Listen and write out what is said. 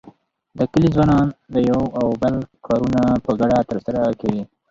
د کلي ځوانان د یو او بل کارونه په ګډه تر سره کوي.